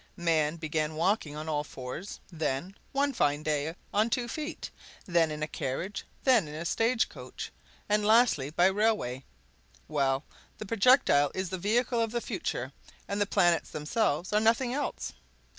Man began by walking on all fours; then, one fine day, on two feet; then in a carriage; then in a stage coach; and lastly by railway. Well, the projectile is the vehicle of the future, and the planets themselves are nothing else!